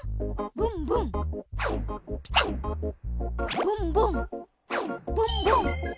ブンブンブンブン。